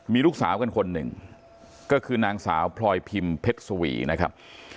มีลูกสาวกันคนหนึ่งก็คือนางสาวพลอยพิมพ์เพชรสวีนะครับ